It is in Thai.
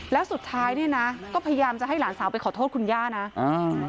แล้วสุดท้ายเนี่ยนะก็พยายามจะให้หลานสาวไปขอโทษคุณย่านะอ่า